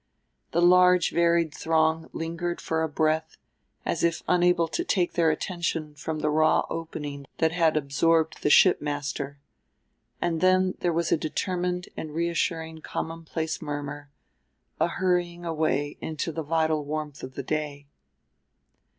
The large varied throng lingered for a breath, as if unable to take their attention from the raw opening that had absorbed the shipmaster, and then there was a determined and reassuring commonplace murmur, a hurrying away into the vital warmth of the day.